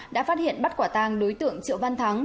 đã phát hiện bắt quả tàng đối tượng triệu văn thắng